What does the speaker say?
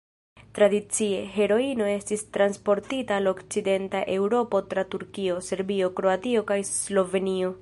Tradicie, heroino estis transportita al Okcidenta Eŭropo tra Turkio, Serbio, Kroatio kaj Slovenio.